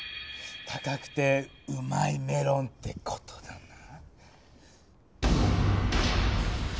高くてうまいメロンってことだな！